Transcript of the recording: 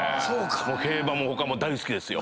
競馬も他も大好きですよ。